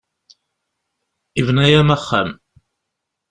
Yebna-am axxam.